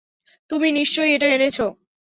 তুমিই নিশ্চয় এটা এনেছো।